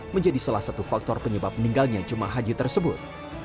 menjadi salah satu faktor penyebab meninggalnya jemaah haji tersebut